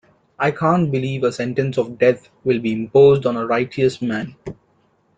I can't believe a sentence of death will be imposed on a righteous man.